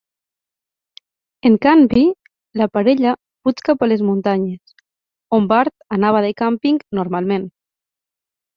En canvi, la parella fuig cap a les muntanyes, on Bart anava de càmping normalment.